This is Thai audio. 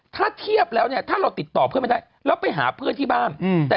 ถ้าเทียบแล้วเนี่ยถ้าเราติดต่อเพื่อนไม่ได้แล้วไปหาเพื่อนที่บ้าน